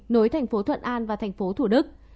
nối thành phố thuận an và thành phố thủ đức